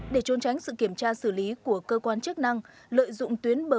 để trôn tránh sự kiểm tra xử lý của cơ quan chức năng lợi dụng tuyến bờ biển dài